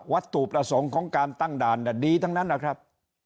วัตถุประสงค์ของการตั้งด่านดีทั้งนั้นนะครับ